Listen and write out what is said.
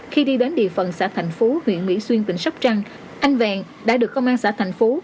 khi đi đến địa phần xã thạnh phú huyện mỹ xuyên tỉnh sóc trăng anh vẹn đã được công an xã thạnh phú